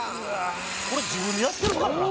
「これ自分でやってるからな」